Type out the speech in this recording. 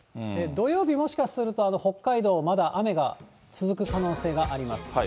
土曜日、もしかすると、北海道、まだ雨が続く可能性があります。